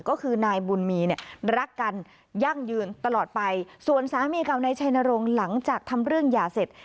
ก็คือนายบุญมีเนี่ยรักกันยั่งยืนตลอดไปส่วนสามีเก่านายชัยนรงค์หลังจากทำเรื่องหย่าเสร็จ